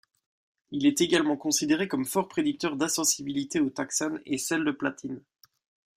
Il est également considéré comme fort prédicteur d’insensibilité au taxane et sels de platine.